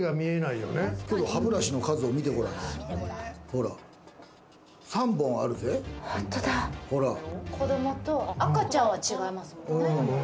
歯ブラシの数を子供と赤ちゃんは違いますもんね。